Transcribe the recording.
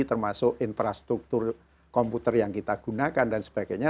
termasuk infrastruktur komputer yang kita gunakan dan sebagainya